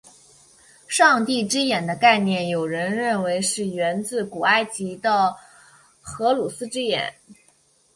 上帝之眼的概念有人认为是源自古埃及的荷鲁斯之眼。